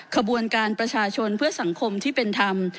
ขบวนการประชาชนเพื่อสังคมที่เป็นธรรม